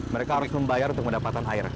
mereka harus membayar untuk mendapatkan air